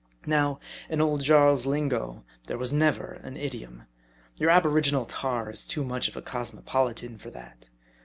Now, in old Jarl's lingo there was never an idiom. Your aboriginal tar is too much of a cosmopolitan for that.